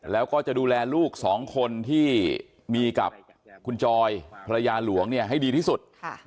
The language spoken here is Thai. แล้วก็จะดูแลลูกสองคนที่มีกับคุณจอยภรรยาหลวงให้ดีที่สุด